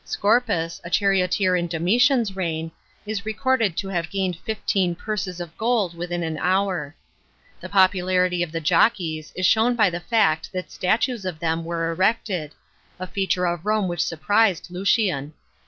Scorpus, a charioteer in Domitian's reign, is recorded to havegain«d fifteen purses of gold within an hour. £ The popularity of the jockeys is shown by the fact that statues of them were erecud §— a feature of Rome which surprised Lucian.